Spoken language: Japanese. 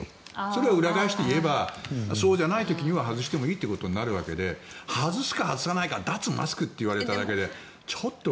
それを裏返して言えばそうじゃない時には外してもいいとなるので外すか外さないか脱マスクって言われただけでちょっと。